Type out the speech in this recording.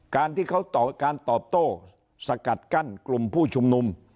การที่เขาการตอบโต้สกัดกั้นกลุ่มผู้ชุมนุม